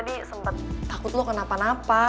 tadi sempat takut lu kenapa napa